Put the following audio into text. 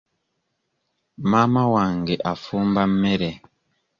Maama wange afumba mmere.